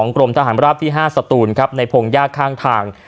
กรมทหารราบที่๕สตูนครับในพงยากข้างทาง